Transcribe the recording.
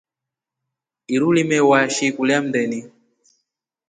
Iru limewashi kula mndeni.